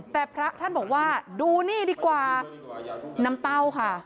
แต่พระท่านบอกว่าดูนี่ดีกว่าน้ำเต้าค่ะ